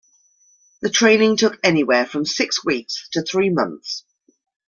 The training took anywhere from six weeks to three months.